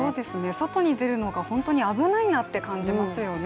外に出るのが本当に危ないなって感じますよね。